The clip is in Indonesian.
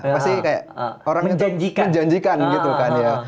pasti kayak orang yang menjanjikan gitu kan ya